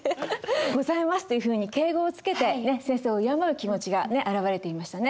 「ございます」というふうに敬語をつけて先生を敬う気持ちが表れていましたね。